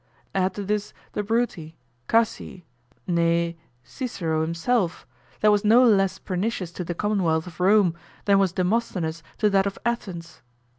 Add to this the Bruti, Casii, nay Cicero himself, that was no less pernicious to the commonwealth of Rome than was Demosthenes to that of Athens.